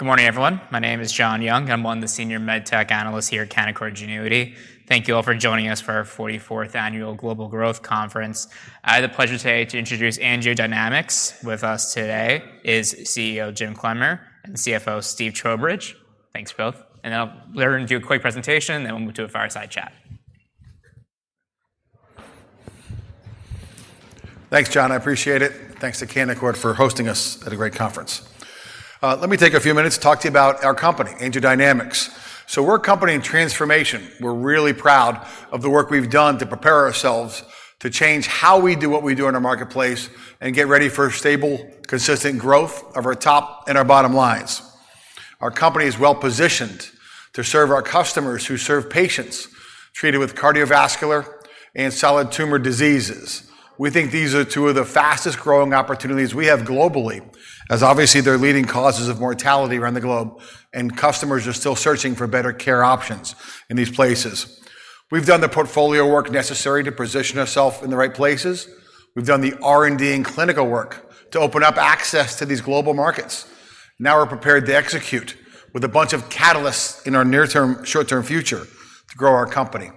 Good morning, everyone. My name is John Young. I'm one of the senior med tech analysts here at Canaccord Genuity. Thank you all for joining us for our forty-fourth Annual Global Growth Conference. I have the pleasure today to introduce AngioDynamics. With us today is CEO Jim Clemmer and CFO Steve Trowbridge. Thanks both. And they'll do a quick presentation, then we'll move to a fireside chat. Thanks, John, I appreciate it. Thanks to Canaccord for hosting us at a great conference. Let me take a few minutes to talk to you about our company, AngioDynamics. We're a company in transformation. We're really proud of the work we've done to prepare ourselves to change how we do what we do in our marketplace and get ready for stable, consistent growth of our top and our bottom lines. Our company is well-positioned to serve our customers, who serve patients treated with cardiovascular and solid tumor diseases. We think these are two of the fastest-growing opportunities we have globally, as obviously they're leading causes of mortality around the globe, and customers are still searching for better care options in these places. We've done the portfolio work necessary to position ourselves in the right places. We've done the R&D and clinical work to open up access to these global markets. Now we're prepared to execute with a bunch of catalysts in our near-term, short-term future to grow our company.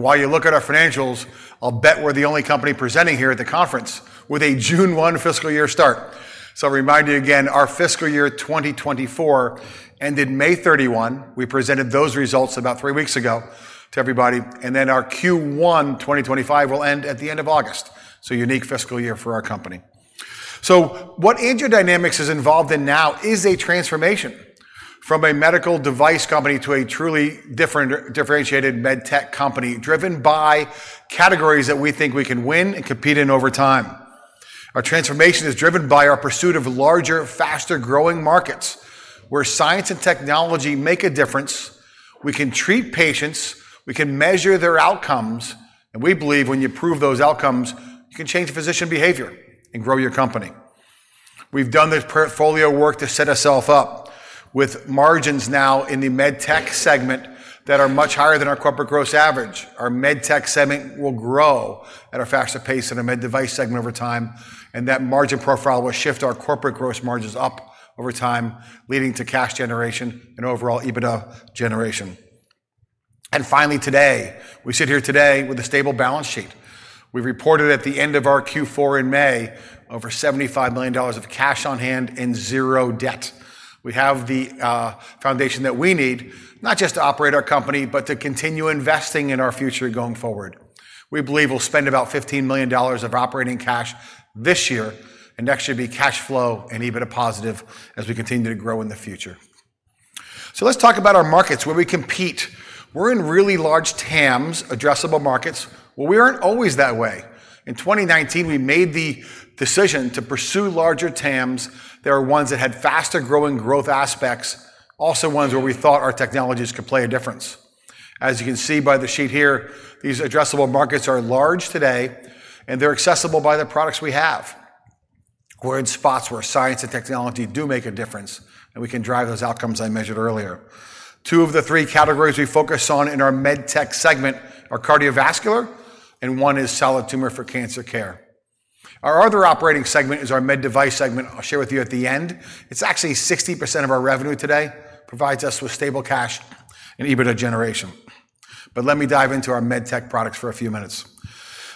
While you look at our financials, I'll bet we're the only company presenting here at the conference with a June 1 fiscal year start. I'll remind you again, our fiscal year 2024 ended May 31. We presented those results about 3 weeks ago to everybody, and then our Q1 2025 will end at the end of August. Unique fiscal year for our company. What AngioDynamics is involved in now is a transformation from a medical device company to a truly different-differentiated med tech company, driven by categories that we think we can win and compete in over time. Our transformation is driven by our pursuit of larger, faster-growing markets, where science and technology make a difference. We can treat patients, we can measure their outcomes, and we believe when you prove those outcomes, you can change physician behavior and grow your company. We've done this portfolio work to set ourself up with margins now in the med tech segment that are much higher than our corporate gross average. Our med tech segment will grow at a faster pace than the med device segment over time, and that margin profile will shift our corporate gross margins up over time, leading to cash generation and overall EBITDA generation. And finally, today, we sit here today with a stable balance sheet. We've reported at the end of our Q4 in May over $75 million of cash on hand and zero debt. We have the foundation that we need, not just to operate our company, but to continue investing in our future going forward. We believe we'll spend about $15 million of operating cash this year, and next year be cash flow and EBITDA positive as we continue to grow in the future. So let's talk about our markets, where we compete. We're in really large TAMs, addressable markets. Well, we aren't always that way. In 2019, we made the decision to pursue larger TAMs. There are ones that had faster-growing growth aspects, also ones where we thought our technologies could play a difference. As you can see by the sheet here, these addressable markets are large today, and they're accessible by the products we have. We're in spots where science and technology do make a difference, and we can drive those outcomes I measured earlier. Two of the three categories we focus on in our med tech segment are cardiovascular, and one is solid tumor for cancer care. Our other operating segment is our med device segment. I'll share with you at the end. It's actually 60% of our revenue today, provides us with stable cash and EBITDA generation. But let me dive into our med tech products for a few minutes.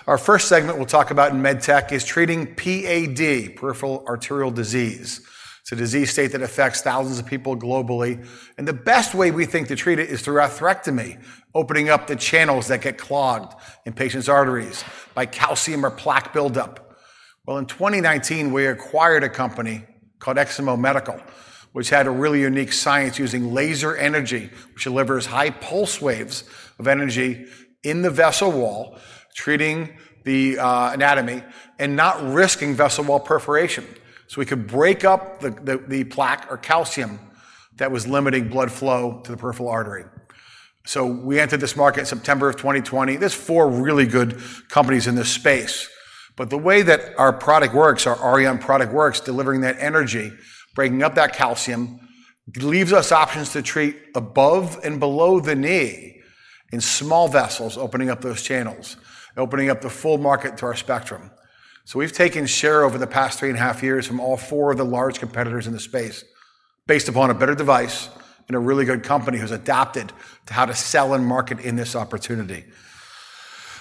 Our first segment we'll talk about in med tech is treating PAD, peripheral arterial disease. It's a disease state that affects thousands of people globally, and the best way we think to treat it is through atherectomy, opening up the channels that get clogged in patients' arteries by calcium or plaque buildup. Well, in 2019, we acquired a company called Eximo Medical, which had a really unique science using laser energy, which delivers high pulse waves of energy in the vessel wall, treating the anatomy and not risking vessel wall perforation. So we could break up the plaque or calcium that was limiting blood flow to the peripheral artery. So we entered this market September of 2020. There's four really good companies in this space, but the way that our product works, our Auryon product works, delivering that energy, breaking up that calcium, leaves us options to treat above and below the knee in small vessels, opening up those channels and opening up the full market to our spectrum. So we've taken share over the past 3.5 years from all four of the large competitors in the space based upon a better device and a really good company who's adapted to how to sell and market in this opportunity.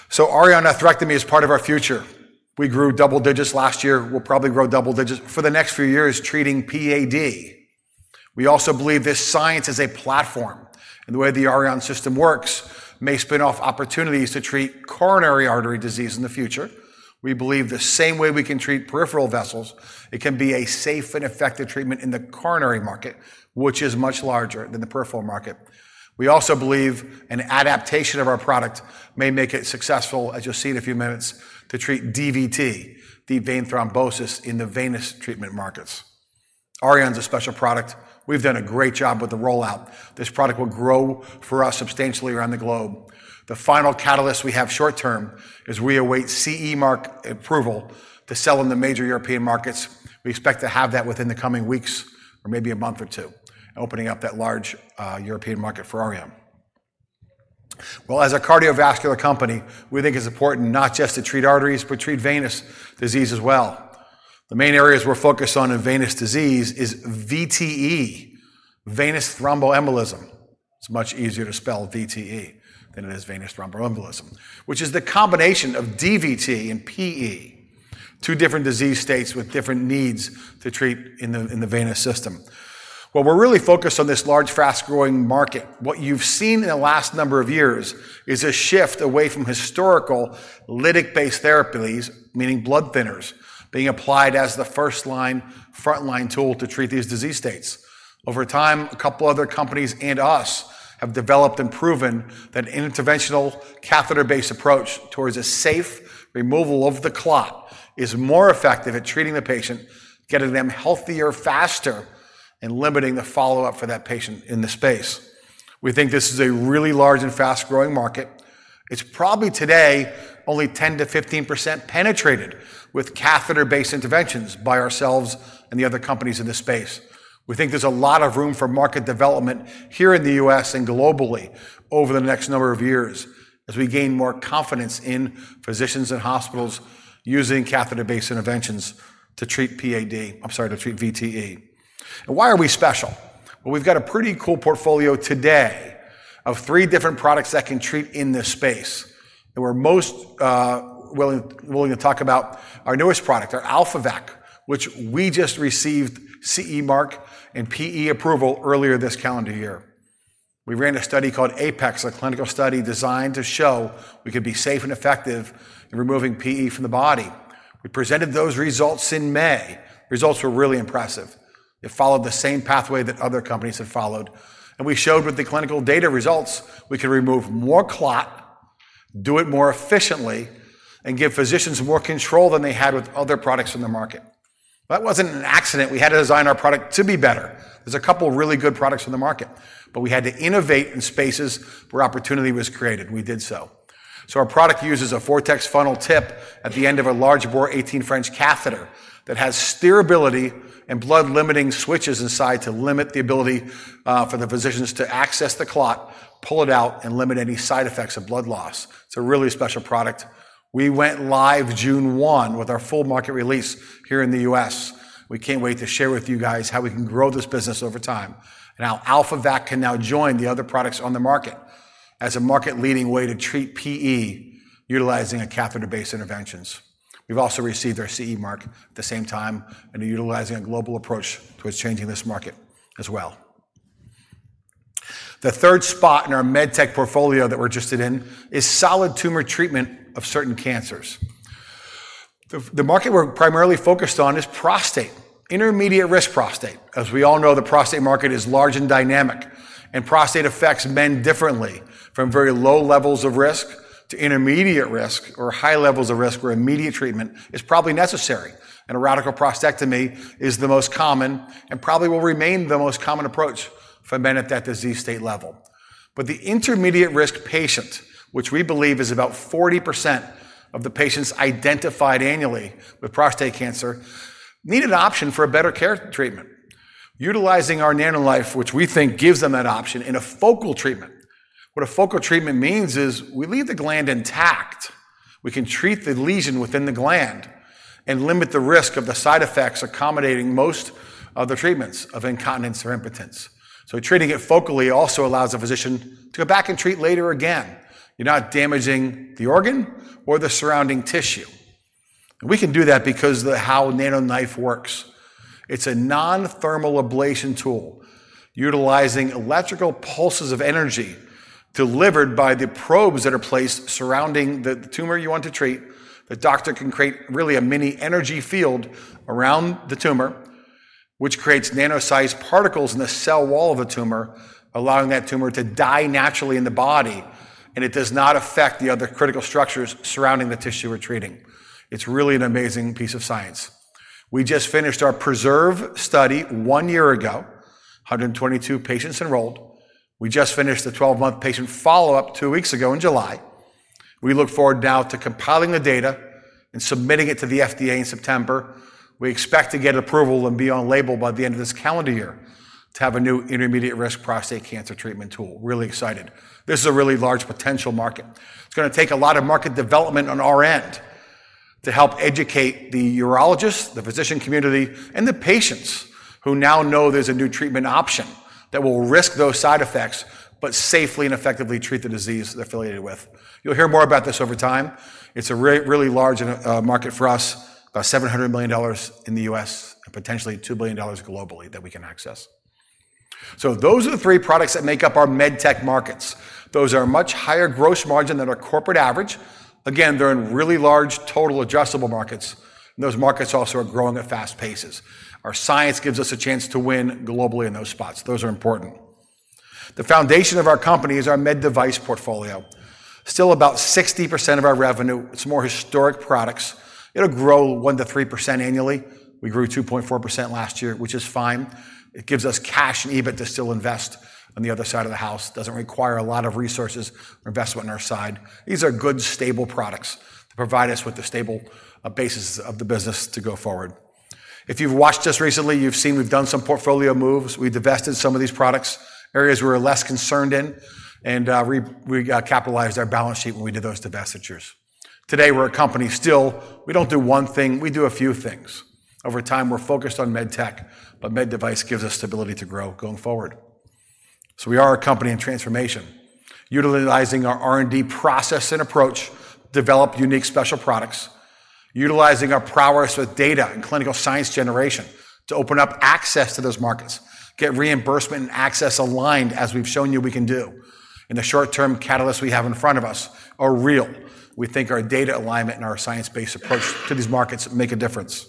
So Auryon atherectomy is part of our future. We grew double digits last year. We'll probably grow double digits for the next few years treating PAD. We also believe this science is a platform, and the way the Auryon system works may spin off opportunities to treat coronary artery disease in the future. We believe the same way we can treat peripheral vessels, it can be a safe and effective treatment in the coronary market, which is much larger than the peripheral market. We also believe an adaptation of our product may make it successful, as you'll see in a few minutes, to treat DVT, deep vein thrombosis in the venous treatment markets. Auryon's a special product. We've done a great job with the rollout. This product will grow for us substantially around the globe. The final catalyst we have short term is we await CE Mark approval to sell in the major European markets. We expect to have that within the coming weeks or maybe a month or two, opening up that large European market for Auryon. Well, as a cardiovascular company, we think it's important not just to treat arteries, but treat venous disease as well. The main areas we're focused on in venous disease is VTE, venous thromboembolism. It's much easier to spell VTE than it is venous thromboembolism, which is the combination of DVT and PE, two different disease states with different needs to treat in the venous system. Well, we're really focused on this large, fast-growing market. What you've seen in the last number of years is a shift away from historical lytic-based therapies, meaning blood thinners, being applied as the first-line, frontline tool to treat these disease states. Over time, a couple of other companies and us have developed and proven that an interventional, catheter-based approach towards a safe removal of the clot is more effective at treating the patient, getting them healthier faster, and limiting the follow-up for that patient in the space. We think this is a really large and fast-growing market. It's probably today only 10%-15% penetrated with catheter-based interventions by ourselves and the other companies in this space. We think there's a lot of room for market development here in the U.S. and globally over the next number of years as we gain more confidence in physicians and hospitals using catheter-based interventions to treat PAD, I'm sorry, to treat VTE. And why are we special? Well, we've got a pretty cool portfolio today of three different products that can treat in this space. And we're most willing to talk about our newest product, our AlphaVac, which we just received CE mark and PE approval earlier this calendar year. We ran a study called APEX, a clinical study designed to show we could be safe and effective in removing PE from the body. We presented those results in May. Results were really impressive. It followed the same pathway that other companies have followed, and we showed with the clinical data results, we could remove more clot, do it more efficiently, and give physicians more control than they had with other products in the market. That wasn't an accident. We had to design our product to be better. There's a couple of really good products on the market, but we had to innovate in spaces where opportunity was created, and we did so. So our product uses a vortex funnel tip at the end of a large bore 18 French catheter that has steerability and blood-limiting switches inside to limit the ability for the physicians to access the clot, pull it out, and limit any side effects of blood loss. It's a really special product. We went live June 1 with our full market release here in the U.S. We can't wait to share with you guys how we can grow this business over time and how AlphaVac can now join the other products on the market as a market-leading way to treat PE utilizing a catheter-based interventions. We've also received our CE mark at the same time and are utilizing a global approach towards changing this market as well. The third spot in our med tech portfolio that we're interested in is solid tumor treatment of certain cancers. The market we're primarily focused on is prostate, intermediate-risk prostate. As we all know, the prostate market is large and dynamic, and prostate affects men differently, from very low levels of risk to intermediate risk or high levels of risk, where immediate treatment is probably necessary. A radical prostatectomy is the most common and probably will remain the most common approach for men at that disease state level. But the intermediate-risk patient, which we believe is about 40% of the patients identified annually with prostate cancer, need an option for a better care treatment. Utilizing our NanoKnife, which we think gives them that option in a focal treatment. What a focal treatment means is we leave the gland intact. We can treat the lesion within the gland and limit the risk of the side effects accommodating most other treatments of incontinence or impotence. So treating it focally also allows the physician to go back and treat later again. You're not damaging the organ or the surrounding tissue. We can do that because of how NanoKnife works. It's a non-thermal ablation tool utilizing electrical pulses of energy delivered by the probes that are placed surrounding the tumor you want to treat. The doctor can create really a mini energy field around the tumor, which creates nano-sized particles in the cell wall of a tumor, allowing that tumor to die naturally in the body, and it does not affect the other critical structures surrounding the tissue we're treating. It's really an amazing piece of science. We just finished our PRESERVE study one year ago. 122 patients enrolled. We just finished the 12-month patient follow-up 2 weeks ago in July. We look forward now to compiling the data and submitting it to the FDA in September. We expect to get approval and be on label by the end of this calendar year to have a new intermediate-risk prostate cancer treatment tool. Really excited. This is a really large potential market. It's gonna take a lot of market development on our end to help educate the urologists, the physician community, and the patients who now know there's a new treatment option that will risk those side effects but safely and effectively treat the disease they're affiliated with. You'll hear more about this over time. It's a really large market for us, about $700 million in the US and potentially $2 billion globally that we can access. So those are the three products that make up our med tech markets. Those are much higher gross margin than our corporate average. Again, they're in really large, total addressable markets, and those markets also are growing at fast paces. Our science gives us a chance to win globally in those spots. Those are important. The foundation of our company is our med device portfolio. Still about 60% of our revenue, it's more historic products. It'll grow 1%-3% annually. We grew 2.4% last year, which is fine. It gives us cash and EBIT to still invest on the other side of the house. Doesn't require a lot of resources or investment on our side. These are good, stable products to provide us with the stable basis of the business to go forward. If you've watched us recently, you've seen we've done some portfolio moves. We divested some of these products, areas we're less concerned in, and we capitalized our balance sheet when we did those divestitures. Today, we're a company still, we don't do one thing, we do a few things. Over time, we're focused on med tech, but med device gives us stability to grow going forward. So we are a company in transformation, utilizing our R&D process and approach, develop unique special products, utilizing our prowess with data and clinical science generation to open up access to those markets, get reimbursement and access aligned, as we've shown you we can do. And the short-term catalysts we have in front of us are real. We think our data alignment and our science-based approach to these markets make a difference.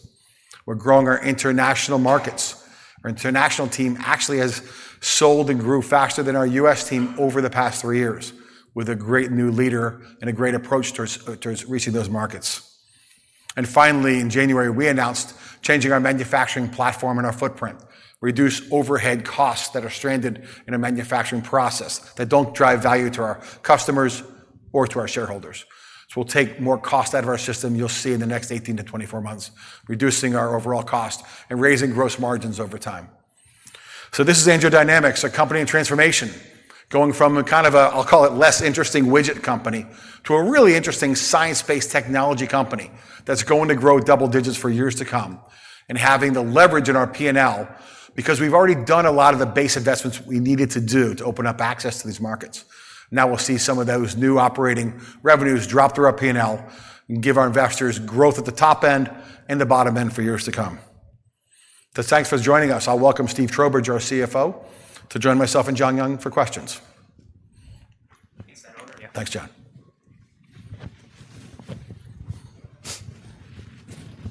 We're growing our international markets. Our international team actually has sold and grew faster than our U.S. team over the past three years, with a great new leader and a great approach towards reaching those markets. And finally, in January, we announced changing our manufacturing platform and our footprint. Reduce overhead costs that are stranded in a manufacturing process that don't drive value to our customers or to our shareholders. So we'll take more cost out of our system, you'll see in the next 18-24 months, reducing our overall cost and raising gross margins over time. So this is AngioDynamics, a company in transformation, going from a kind of a, I'll call it, less interesting widget company, to a really interesting science-based technology company that's going to grow double digits for years to come, and having the leverage in our P&L because we've already done a lot of the base investments we needed to do to open up access to these markets. Now we'll see some of those new operating revenues drop through our P&L and give our investors growth at the top end and the bottom end for years to come. So thanks for joining us. I'll welcome Steve Trowbridge, our CFO, to join myself and John Young for questions. He's on board, yeah. Thanks, John.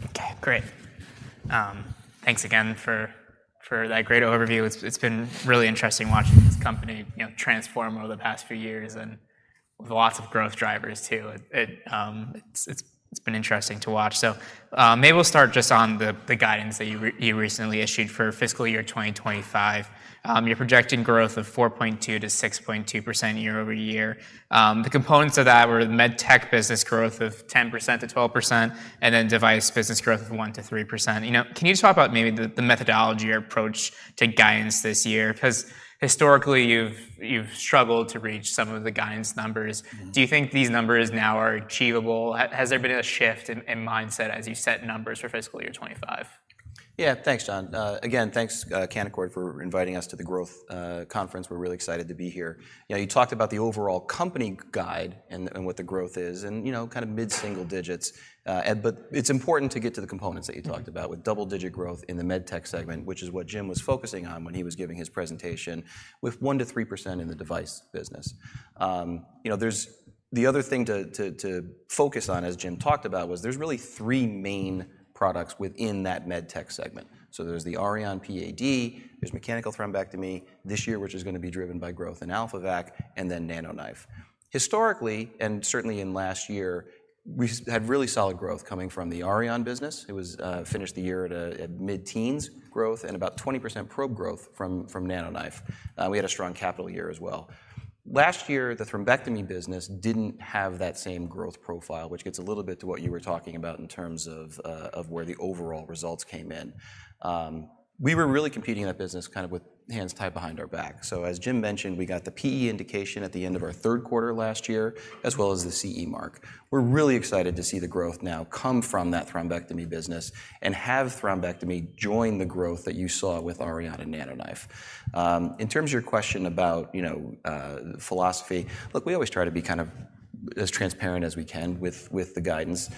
Okay, great. Thanks again for that great overview. It's been really interesting watching this company, you know, transform over the past few years, and with lots of growth drivers, too. It's been interesting to watch. So, maybe we'll start just on the guidance that you recently issued for fiscal year 2025. You're projecting growth of 4.2%-6.2% year-over-year. The components of that were the MedTech business growth of 10%-12%, and then device business growth of 1%-3%. You know, can you talk about maybe the methodology or approach to guidance this year? Because historically, you've struggled to reach some of the guidance numbers. Mm-hmm. Do you think these numbers now are achievable? Has there been a shift in mindset as you set numbers for fiscal year 25? Yeah. Thanks, John. Again, thanks, Canaccord, for inviting us to the growth conference. We're really excited to be here. You know, you talked about the overall company guide and what the growth is, and, you know, kind of mid-single digits. But it's important to get to the components that you talked about- Mm-hmm... with double-digit growth in the med tech segment, which is what Jim was focusing on when he was giving his presentation, with 1%-3% in the device business. You know, the other thing to focus on, as Jim talked about, was there's really three main products within that med tech segment. So there's the Auryon PAD, there's mechanical thrombectomy this year, which is going to be driven by growth in AlphaVac, and then NanoKnife. Historically, and certainly in last year, we had really solid growth coming from the Auryon business. It was finished the year at mid-teens growth and about 20% probe growth from NanoKnife. We had a strong capital year as well. Last year, the thrombectomy business didn't have that same growth profile, which gets a little bit to what you were talking about in terms of, of where the overall results came in. We were really competing in that business kind of with hands tied behind our back. So as Jim mentioned, we got the PE indication at the end of our third quarter last year, as well as the CE mark. We're really excited to see the growth now come from that thrombectomy business and have thrombectomy join the growth that you saw with Auryon and NanoKnife. In terms of your question about, you know, philosophy, look, we always try to be kind of as transparent as we can with, with the guidance.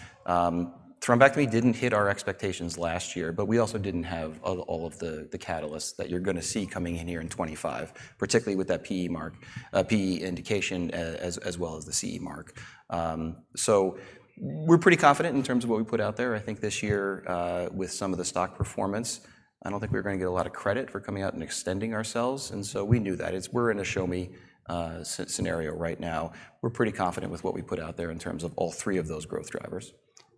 Thrombectomy didn't hit our expectations last year, but we also didn't have all of the catalysts that you're going to see coming in here in 2025, particularly with that PE indication as well as the CE mark. So we're pretty confident in terms of what we put out there. I think this year, with some of the stock performance, I don't think we're going to get a lot of credit for coming out and extending ourselves, and so we knew that. It's a show-me scenario right now. We're pretty confident with what we put out there in terms of all three of those growth drivers.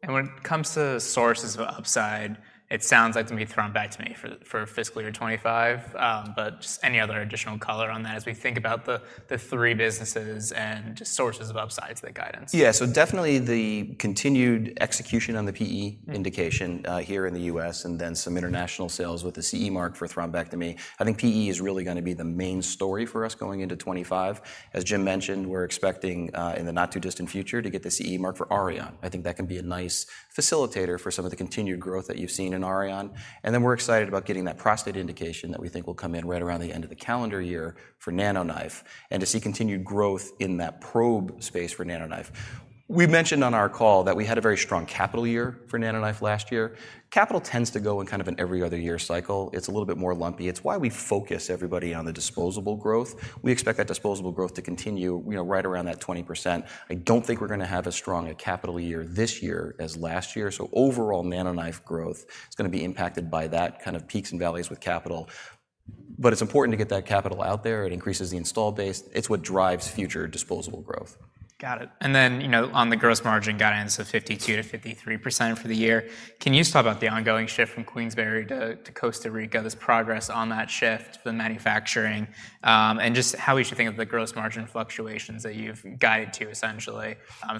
When it comes to sources of upside, it sounds like it's going to be thrombectomy for fiscal year 25, but just any other additional color on that as we think about the three businesses and sources of upside to the guidance? Yeah, so definitely the continued execution on the PE indication- Mm... here in the U.S., and then some international sales with the CE mark for thrombectomy. I think PE is really going to be the main story for us going into 25. As Jim mentioned, we're expecting, in the not-too-distant future, to get the CE mark for Auryon. I think that can be a nice facilitator for some of the continued growth that you've seen in Auryon. And then we're excited about getting that prostate indication that we think will come in right around the end of the calendar year for NanoKnife, and to see continued growth in that probe space for NanoKnife. We mentioned on our call that we had a very strong capital year for NanoKnife last year. Capital tends to go in kind of an every other year cycle. It's a little bit more lumpy. It's why we focus everybody on the disposable growth. We expect that disposable growth to continue, you know, right around that 20%. I don't think we're going to have as strong a capital year this year as last year, so overall NanoKnife growth is going to be impacted by that kind of peaks and valleys with capital. But it's important to get that capital out there. It increases the install base. It's what drives future disposable growth. ... Got it. And then, you know, on the gross margin guidance of 52%-53% for the year, can you just talk about the ongoing shift from Queensbury to Costa Rica, this progress on that shift, the manufacturing, and just how we should think of the gross margin fluctuations that you've guided to essentially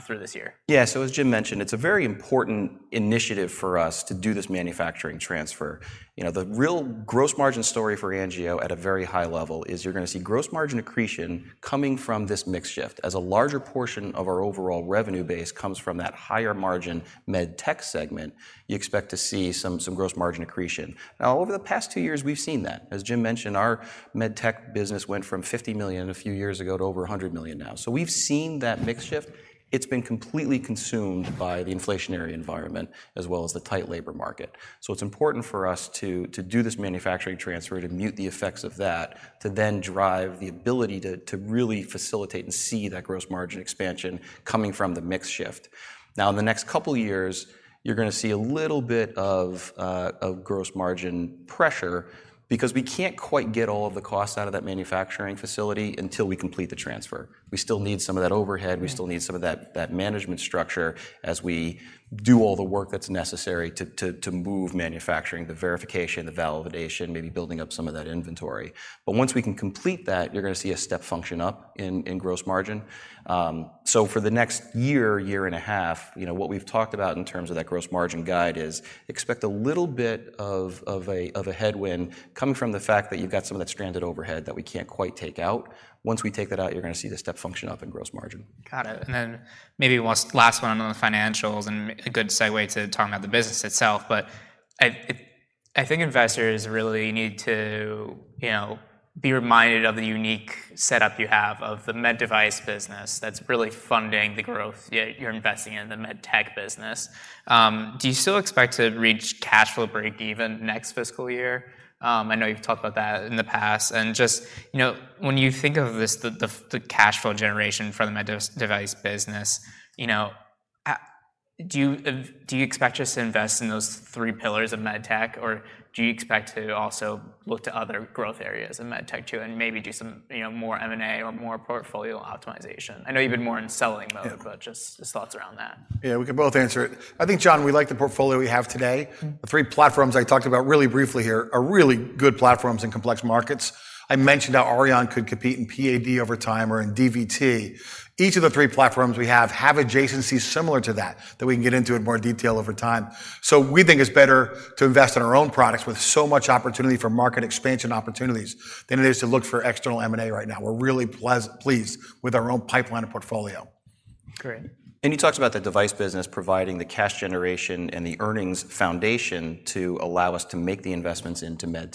through this year? Yeah. So as Jim mentioned, it's a very important initiative for us to do this manufacturing transfer. You know, the real gross margin story for Angio at a very high level is you're gonna see gross margin accretion coming from this mix shift. As a larger portion of our overall revenue base comes from that higher margin med tech segment, you expect to see some, some gross margin accretion. Now, over the past two years, we've seen that. As Jim mentioned, our med tech business went from $50 million a few years ago to over $100 million now. So we've seen that mix shift. It's been completely consumed by the inflationary environment, as well as the tight labor market. So it's important for us to, to do this manufacturing transfer to mute the effects of that, to then drive the ability to, to really facilitate and see that gross margin expansion coming from the mix shift. Now, in the next couple of years, you're gonna see a little bit of, of gross margin pressure because we can't quite get all of the costs out of that manufacturing facility until we complete the transfer. We still need some of that overhead. Mm-hmm. We still need some of that management structure as we do all the work that's necessary to move manufacturing, the verification, the validation, maybe building up some of that inventory. But once we can complete that, you're gonna see a step function up in gross margin. So for the next year and a half, you know, what we've talked about in terms of that gross margin guide is expect a little bit of a headwind coming from the fact that you've got some of that stranded overhead that we can't quite take out. Once we take that out, you're gonna see the step function up in gross margin. Got it. And then maybe one last one on the financials and a good segue to talking about the business itself, but I think investors really need to, you know, be reminded of the unique setup you have of the med device business that's really funding the growth that you're investing in, the med tech business. Do you still expect to reach cash flow break-even next fiscal year? I know you've talked about that in the past, and just, you know, when you think of this, the cash flow generation for the med device business, you know, do you expect just to invest in those three pillars of med tech, or do you expect to also look to other growth areas in med tech, too, and maybe do some, you know, more M&A or more portfolio optimization? I know you've been more in selling mode- Yeah. But just thoughts around that. Yeah, we can both answer it. I think, John, we like the portfolio we have today. Mm-hmm. The three platforms I talked about really briefly here are really good platforms in complex markets. I mentioned how Auryon could compete in PAD over time or in DVT. Each of the three platforms we have, have adjacencies similar to that, that we can get into in more detail over time. So we think it's better to invest in our own products with so much opportunity for market expansion opportunities than it is to look for external M&A right now. We're really pleased with our own pipeline and portfolio. Great. You talked about the device business providing the cash generation and the earnings foundation to allow us to make the investments into med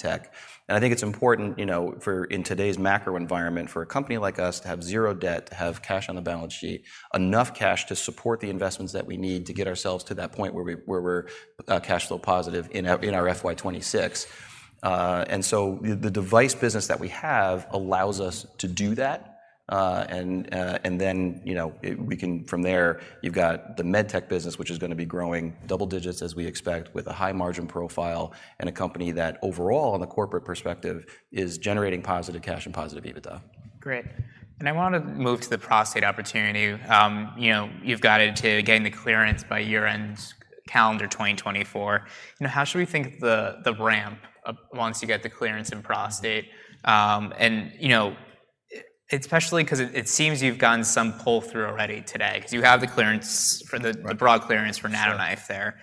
tech. I think it's important, you know, for, in today's macro environment, for a company like us to have zero debt, to have cash on the balance sheet, enough cash to support the investments that we need to get ourselves to that point where we're cash flow positive in our FY 26. So the device business that we have allows us to do that, and then, you know, we can. From there, you've got the med tech business, which is gonna be growing double digits, as we expect, with a high margin profile, and a company that overall, in the corporate perspective, is generating positive cash and positive EBITDA. Great. I want to move to the prostate opportunity. You know, you've guided to getting the clearance by year-end calendar 2024. You know, how should we think of the ramp up once you get the clearance in prostate? You know, especially because it seems you've gotten some pull-through already today, because you have the clearance for the- Right... the broad clearance for NanoKnife there.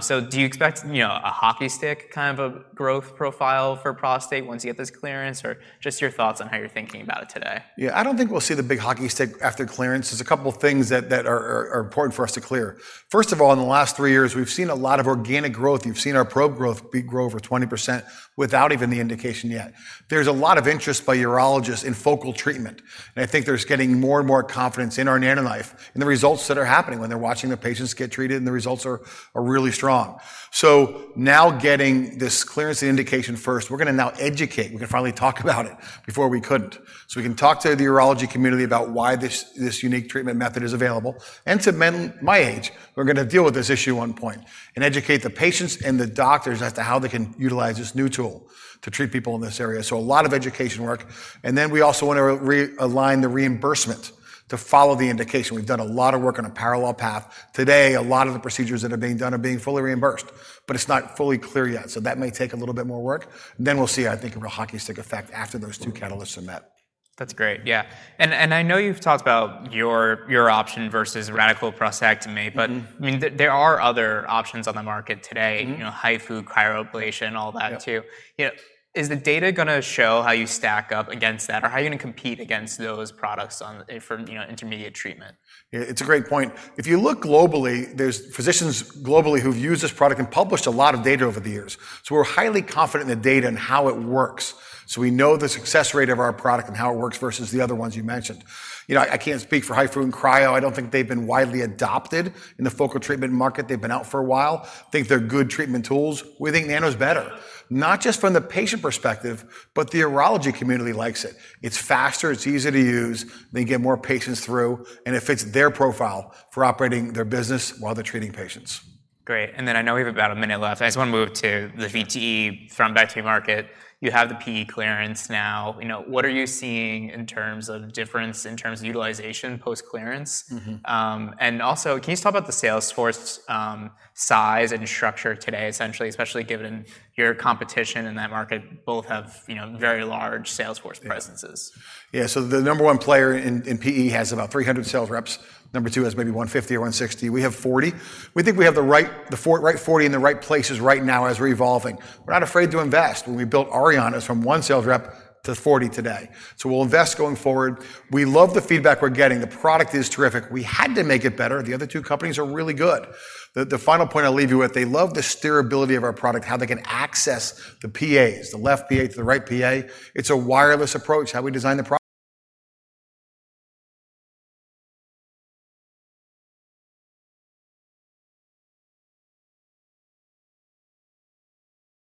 So do you expect, you know, a hockey stick kind of a growth profile for prostate once you get this clearance? Or just your thoughts on how you're thinking about it today. Yeah, I don't think we'll see the big hockey stick after clearance. There's a couple of things that are important for us to clear. First of all, in the last three years, we've seen a lot of organic growth. You've seen our probe growth we've grown over 20% without even the indication yet. There's a lot of interest by urologists in focal treatment, and I think it's getting more and more confidence in our NanoKnife and the results that are happening when they're watching their patients get treated, and the results are really strong. So now getting this clearance indication first, we're gonna now educate. We can finally talk about it. Before we couldn't. So we can talk to the urology community about why this, this unique treatment method is available, and to men my age, who are gonna deal with this issue at one point, and educate the patients and the doctors as to how they can utilize this new tool to treat people in this area. So a lot of education work, and then we also want to realign the reimbursement to follow the indication. We've done a lot of work on a parallel path. Today, a lot of the procedures that are being done are being fully reimbursed, but it's not fully clear yet, so that may take a little bit more work. Then we'll see, I think, a real hockey stick effect after those two catalysts are met. That's great. Yeah. And I know you've talked about your option versus radical prostatectomy- Mm-hmm... but, I mean, there are other options on the market today. Mm-hmm. You know, HIFU, cryoablation, all that, too. Yeah. You know, is the data gonna show how you stack up against that, or how are you gonna compete against those products on... for, you know, intermediate treatment? Yeah, it's a great point. If you look globally, there's physicians globally who've used this product and published a lot of data over the years. So we're highly confident in the data and how it works. So we know the success rate of our product and how it works versus the other ones you mentioned. You know, I can't speak for HIFU and cryo. I don't think they've been widely adopted in the focal treatment market. They've been out for a while. I think they're good treatment tools. We think Nano's better, not just from the patient perspective, but the urology community likes it. It's faster, it's easier to use, they get more patients through, and it fits their profile for operating their business while they're treating patients. Great. And then I know we have about a minute left. I just want to move to the VTE, thrombectomy market. You have the PE clearance now. You know, what are you seeing in terms of difference, in terms of utilization post-clearance? Mm-hmm. And also, can you talk about the sales force, size and structure today, essentially, especially given your competition in that market both have, you know, very large sales force presences? Yeah. So the number one player in PE has about 300 sales reps. Number two has maybe 150 or 160. We have 40. We think we have the right 40 in the right places right now as we're evolving. We're not afraid to invest. When we built Auryon, it was from 1 sales rep to 40 today. So we'll invest going forward. We love the feedback we're getting. The product is terrific. We had to make it better. The other two companies are really good. The final point I'll leave you with, they love the steerability of our product, how they can access the PAs, the left PA to the right PA. It's a wireless approach, how we designed the product.